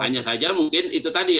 hanya saja mungkin itu tadi